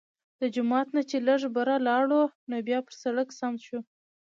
د جومات نه چې لږ بره لاړو نو بيا پۀ سړک سم شو